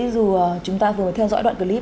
dù chúng ta vừa theo dõi đoạn clip